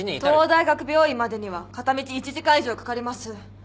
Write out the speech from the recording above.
東央大学病院までには片道１時間以上かかります。